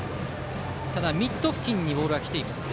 ミット付近にボールが来ています。